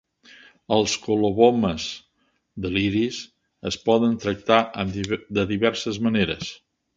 Els colobomes de l'iris es poden tractar de diverses maneres.